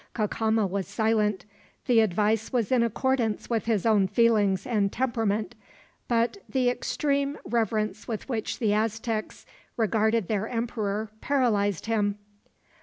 Cacama was silent. The advice was in accordance with his own feelings and temperament; but the extreme reverence with which the Aztecs regarded their emperor paralyzed him.